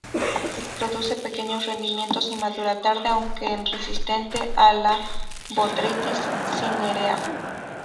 Produce pequeños rendimientos y madura tarde, aunque es resistente a la botrytis cinerea.